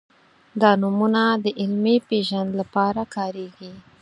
دا نومونه د علمي پېژند لپاره کارېږي.